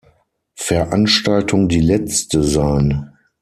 Veranstaltung die letzte sein.